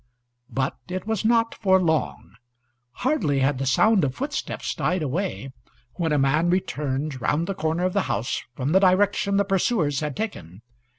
But it was not for long. Hardly had the sound of footsteps died away when a man returned round the corner of the house from the direction the pursuers had taken.